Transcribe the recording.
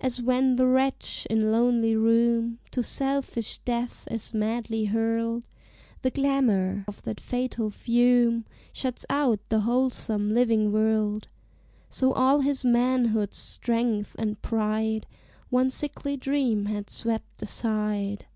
As when the wretch, in lonely room, To selfish death is madly hurled, The glamour of that fatal fume Shuts out the wholesome living world So all his manhood's strength and pride One sickly dream had swept aside.